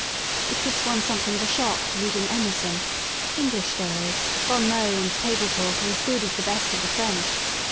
It gives one something of a shock to read in Emerson: ''English stories, bon mois^ and table talk are as good as the best of the French.